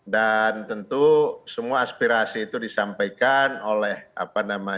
dan tentu semua aspirasi itu disampaikan oleh masyarakat